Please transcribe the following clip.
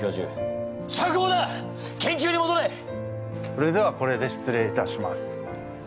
それではこれで失礼いたします。